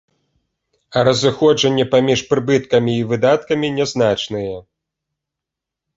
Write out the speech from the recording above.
А разыходжанне паміж прыбыткамі і выдаткамі нязначныя.